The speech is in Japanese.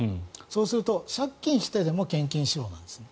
そうすると、借金してでも献金しろなんですね。